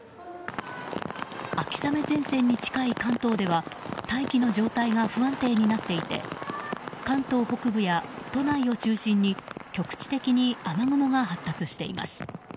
秋雨前線に近い関東では大気の状態が不安定になっていて関東北部や都内を中心に局地的に雨雲が発達しています。